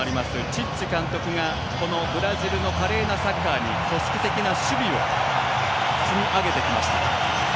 チッチ監督がブラジルの華麗なサッカーに組織的な守備を積み上げてきました。